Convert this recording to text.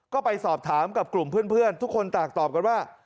ก็ไปสอบถามกับกลุ่มเพื่อนทุกคนต่างตอบกันว่า